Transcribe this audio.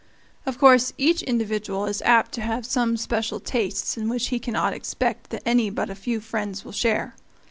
Of course each individual is apt to have some special tastes in which he cannot expect that any but a few friends will share.